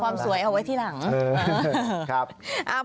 สวยเอาไว้ที่หลัง